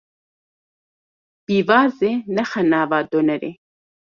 Pîvazê nexe nava donerê.